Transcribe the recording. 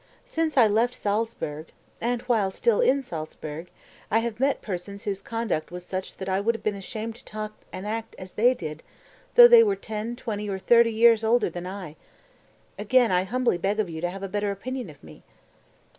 Since I left Salzburg (and while still in Salzburg) I have met persons whose conduct was such that I would have been ashamed to talk and act as they did though they were ten, twenty or thirty years older than I! Again I humbly beg of you to have a better opinion of me."